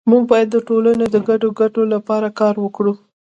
مونږ باید د ټولنې د ګډو ګټو لپاره کار وکړو